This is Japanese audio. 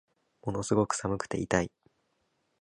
ものすごく寒くて痛い